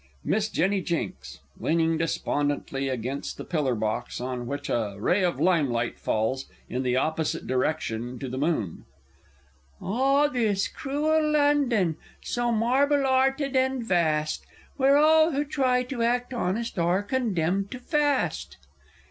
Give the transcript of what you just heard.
Miss Jenny Jinks (leaning despondently against pillar box, on which a ray of limelight falls in the opposite direction to the Moon). Ah, this cruel London, so marble 'arted and vast, Where all who try to act honest are condemned to fast!